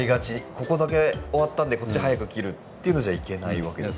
ここだけ終わったんでこっち早く切るっていうのじゃいけないわけですか？